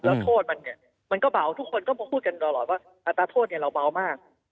แล้วโทษมันเนี่ยมันก็เบาทุกคนก็มาพูดกันตลอดว่าอัตราโทษเนี่ยเราเบามาก